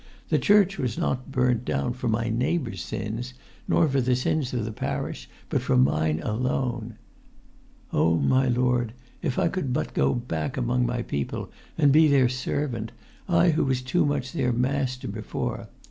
"The church was not burnt down for my neighbours' sins, nor for the sins of the parish, but for mine alone ... Oh, my lord, if I could but go back among my people, and be their servant, I who was too much their master before!